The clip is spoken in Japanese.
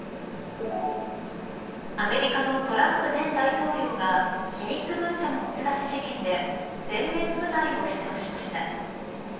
アメリカのトランプ前大統領が機密文書の持ち出し事件で全面無罪を主張しました。